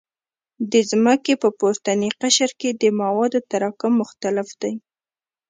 د ځمکې په پورتني قشر کې د موادو تراکم مختلف دی